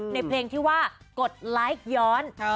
ในเพลงที่ว่ากดไลค์ย้อน